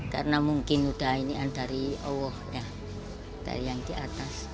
karena mungkin ini dari allah dari yang di atas